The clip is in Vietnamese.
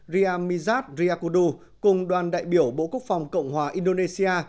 riyamizat riyakudu cùng đoàn đại biểu bộ quốc phòng cộng hòa indonesia